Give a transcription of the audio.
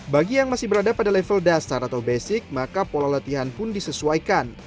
bagi yang masih berada pada level dasar atau basic maka pola latihan pun disesuaikan